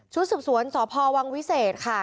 สืบสวนสพวังวิเศษค่ะ